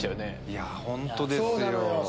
いや本当ですよ。